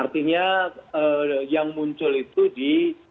artinya yang muncul itu di